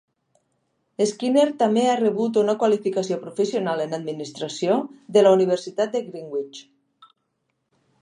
Skinner també ha rebut una qualificació professional en Administració de la Universitat de Greenwich.